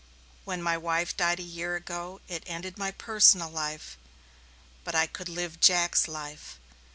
"When my wife died a year ago it ended my personal life, but I could live Jack's life.